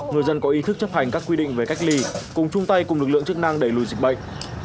người dân có ý thức chấp hành các quy định về cách ly cùng chung tay cùng lực lượng chức năng đẩy lùi dịch bệnh